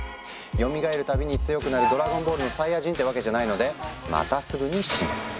よみがえるたびに強くなる「ドラゴンボール」のサイヤ人ってわけじゃないのでまたすぐに「死ぬ」。